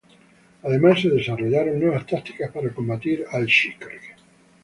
Además, se desarrollaron nuevas tácticas para combatir al Shrike.